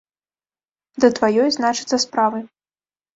Да тваёй, значыцца, справы.